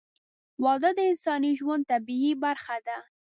• واده د انساني ژوند طبیعي برخه ده.